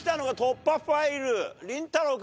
りんたろー。